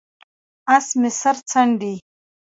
اس مې سر څنډي،